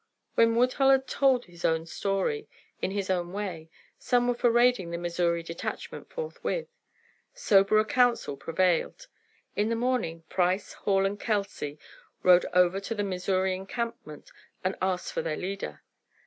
When Woodhull had told his own story, in his own way, some were for raiding the Missouri detachment forthwith. Soberer counsel prevailed. In the morning Price, Hall and Kelsey rode over to the Missouri encampment and asked for their leader.